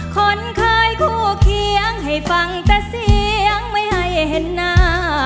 คนเคยคู่เคียงให้ฟังแต่เสียงไม่ให้เห็นหน้า